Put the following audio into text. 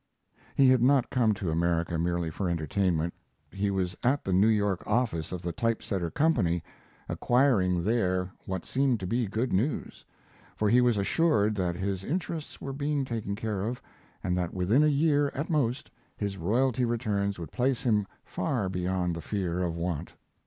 He had not come to America merely for entertainment. He was at the New York office of the type setter company, acquiring there what seemed to be good news, for he was assured that his interests were being taken care of, and that within a year at most his royalty returns would place him far beyond the fear of want.